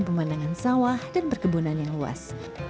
pemandangan sawah dan perkebunan yang luas